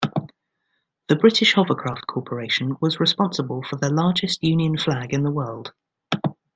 The British Hovercraft Corporation was responsible for the largest Union Flag in the world.